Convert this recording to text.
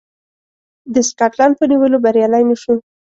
د سکاټلنډ په نیولو بریالی نه شو.